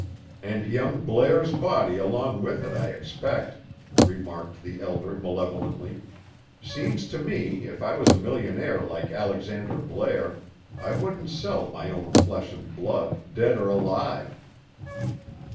"And young Blair's body along with it, I expect," remarked the Elder malevolently. "Seems to me, if I was a millionaire like Alexander Blair, I wouldn't sell my own flesh and blood, dead or alive."